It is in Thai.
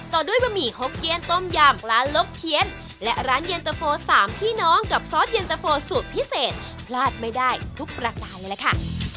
ต่อด้วยบะหมี่หกเกี้ยนต้มยำปลาลกเคี้ยนและร้านเย็นตะโฟ๓พี่น้องกับซอสเย็นตะโฟสูตรพิเศษพลาดไม่ได้ทุกประการเลยล่ะค่ะ